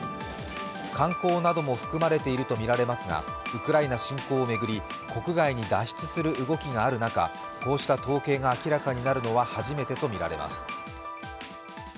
観光なども含まれているとみられますが、ウクライナ侵攻を巡り、国外へ脱出する動きがある中、こうした統計が明らかになるのは初めてとみられます。